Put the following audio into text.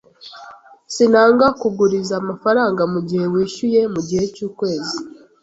Sinanga kuguriza amafaranga mugihe wishyuye mugihe cyukwezi.